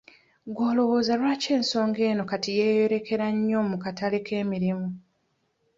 Gwe olowooza lwaki ensonga eno kati yeeyolekera nnyo mu katale k'emirimu?